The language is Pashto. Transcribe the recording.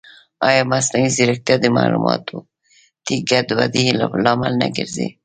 ایا مصنوعي ځیرکتیا د معلوماتي ګډوډۍ لامل نه ګرځي؟